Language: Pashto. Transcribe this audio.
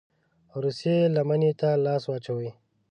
روسيې لمني ته لاس واچوي.